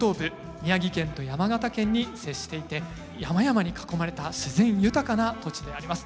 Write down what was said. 宮城県と山形県に接していて山々に囲まれた自然豊かな土地であります。